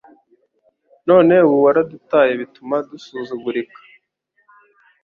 None ubu waradutaye bituma dusuzugurika